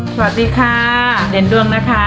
สวัสดีค่ะเด่นดวงนะคะ